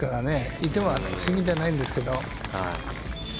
いても不思議じゃないんですけど。